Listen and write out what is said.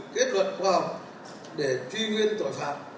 kết luận khoa học để truy nguyên tội phạm